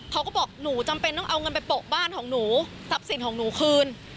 เขาก็บอกหนูจำเป็นต้องเอาเงินไปโปะบ้านของหนูทรัพย์สินของหนูคืน